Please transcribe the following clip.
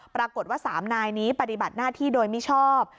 ปรากฏว่า๓นายนี้ปฏิบัติหน้าที่โดยมิชอบ